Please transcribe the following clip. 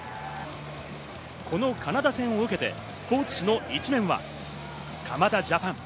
このカナダ戦を受けて、スポーツ紙の一面は鎌田ジャパン。